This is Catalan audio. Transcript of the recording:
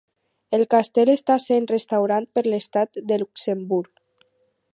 El castell està sent restaurat per l'Estat de Luxemburg.